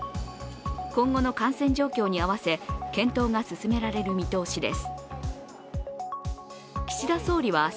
今後の感染状況に合わせ検討が進められる見通しです。